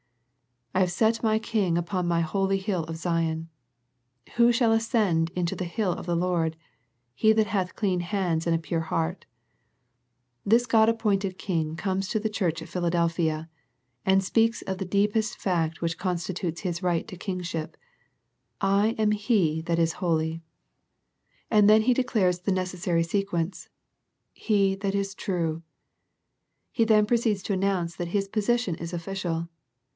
" I have set My King upon My holy hill of Zion." "Who shall ascend into the hill of the Lord? He that hath clean hands and a pure heart." This God appointed King comes to the church at Philadelphia, and speaks of the deepest fact which constitutes His right to Kingship, " I am He that is holy." And then He declares the necessary se quence, " He that is true." He then proceeds to announce that His posi tion is official.